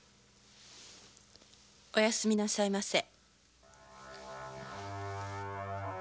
お休みなさいませ。